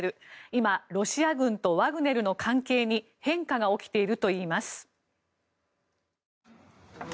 今、ロシア軍とワグネルの関係に変化が起きているといいます。